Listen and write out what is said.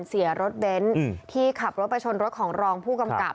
เสียรถเบนท์ที่ขับรถไปชนรถของรองผู้กำกับ